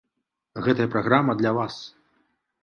Гэтая праграма для вас!